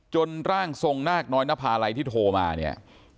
ร่างทรงนาคน้อยนภาลัยที่โทรมาเนี่ย